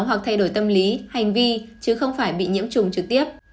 hoặc thay đổi tâm lý hành vi chứ không phải bị nhiễm trùng trực tiếp